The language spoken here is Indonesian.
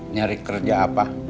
nyari kerja apa